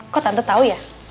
kok tante tau ya